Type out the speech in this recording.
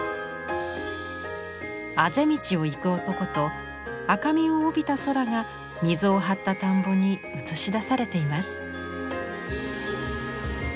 あぜ道を行く男と赤みを帯びた空が水を張った田んぼに映し出されています。